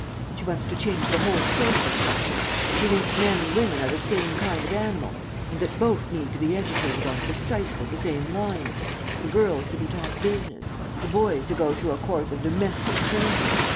She wants to change the whole social structure. She thinks men and women are the same kind of animal, and that both need to be educated on precisely the same lines the girls to be taught business, the boys to go through a course of domestic training.